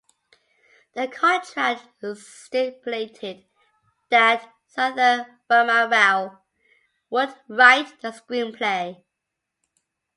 The contract stipulated that Santha Rama Rau would write the screenplay.